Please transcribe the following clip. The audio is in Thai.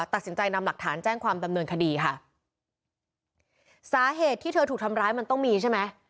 ตัดสินใจนำหลักฐานแจ้งความดำเนินคดีค่ะสาเหตุที่เธอถูกทำร้ายมันต้องมีใช่ไหม